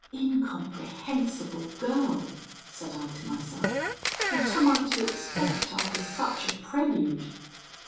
"'Incomprehensible girl!" said I to myself; 'what am I to expect after such a prelude?'